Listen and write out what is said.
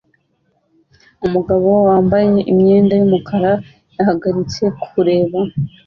Umugabo wambaye imyenda yumukara yahagaritse kureba